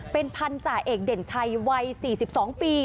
เป็นพันธาเอกเด่นชัยวัย๔๒ปี